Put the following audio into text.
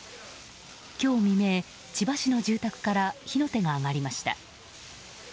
今日未明、千葉市の住宅から火の手が上がりました。